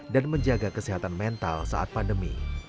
dan menjaga kesehatan mental saat pandemi